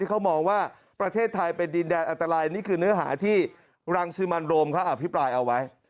เขามองว่าประเทศไทยเป็นดินแดนอันตรายนี่คือเนื้อหาที่รังสิมันโรมเขาอภิปรายเอาไว้